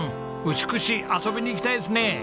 牛久市遊びに行きたいですね。